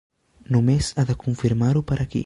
Només ha de confirmar-ho per aquí.